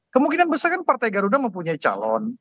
kemungkinan besar kan partai garuda mempunyai calon